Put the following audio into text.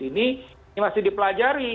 ini ini masih dipelajari